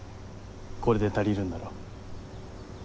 これで足りるんだろ？